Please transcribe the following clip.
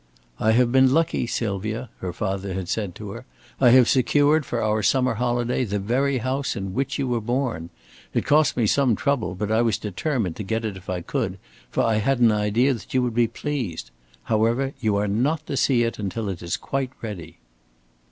"I have been lucky, Sylvia," her father had said to her. "I have secured for our summer holiday the very house in which you were born. It cost me some trouble, but I was determined to get it if I could, for I had an idea that you would be pleased. However, you are not to see it until it is quite ready."